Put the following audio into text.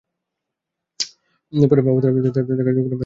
পরে অবস্থার অবনতি হলে তাঁকে খুলনা মেডিকেল কলেজ হাসপাতালে পাঠানো হয়।